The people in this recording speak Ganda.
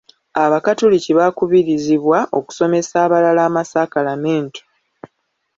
Abakatuliki baakubirizibwa okusomesa abalala amasaakalamentu.